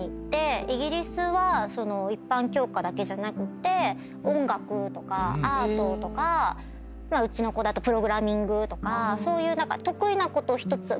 イギリスは一般教科だけじゃなくって音楽とかアートとかうちの子だとプログラミングとかそういう。